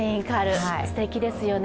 すてきですよね。